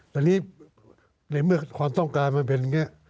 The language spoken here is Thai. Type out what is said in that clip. ตอนนี้ในเมื่อความต้องการมันเป็นอย่างนี้